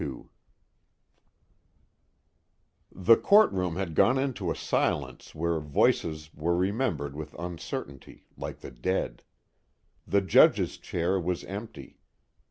II The courtroom had gone into a silence where voices were remembered with uncertainty, like the dead. The judge's chair was empty.